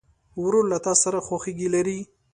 ورور له تا سره خواخوږي لري.